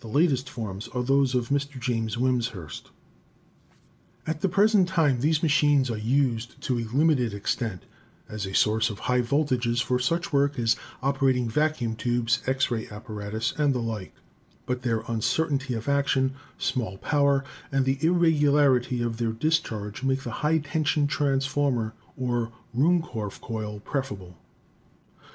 The latest forms are those of Mr. James Wimshurst." At the present time these machines are used to a limited extent as a source of high voltages for such work as oper ating vacuum tubes, X ray apparatus, and the like; but their uncertainty of action, small power and the irregular ity of their discharge make the high tensicn transformer or Ruhmkorf coil preferable.